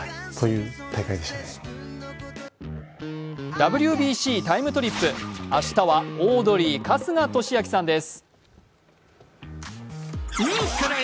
「ＷＢＣＴＩＭＥ，トリップ」明日はオードリー・春日俊彰さんです。